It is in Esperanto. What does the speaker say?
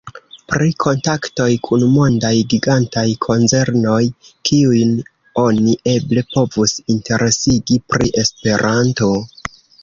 Pri kontaktoj kun mondaj gigantaj konzernoj, kiujn oni eble povus interesigi pri Esperanto?